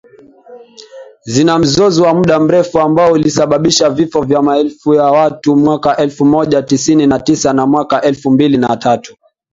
Zina mzozo wa muda mrefu ambao ulisababishwa vifo vya maelfu ya watu mwaka elfu Moja tisini na tisa na mwaka elfu mbili na tatu